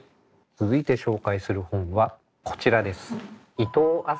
続いて紹介する本はこちらです。